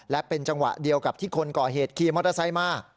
และเป็นจังหวะเดียวกับที่คนก่อเหตุขี่มอเตอร์ไซค์มา